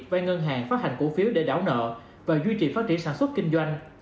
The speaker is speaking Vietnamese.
vay ngân hàng phát hành cổ phiếu để đảo nợ và duy trì phát triển sản xuất kinh doanh